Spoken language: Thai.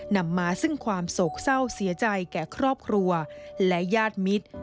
นำมาซึ่งความโศกเศร้าเสียใจแก่ครอบครัวและญาติมิตร